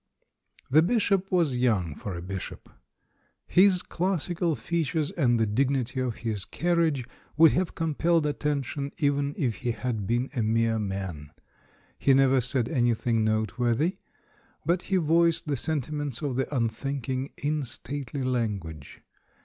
The Bishop was young for a bishop. His 344 THE BISHOP'S COMEDY 345 classical features, and the dignity of his carriage, would have compelled attention even if he had been a mere man. He never said anything note worthy, but he voiced the sentiments of the un thinking in stately language.